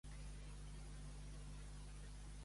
Qui de metges se n'està, o Déu el mata o se n'escapa.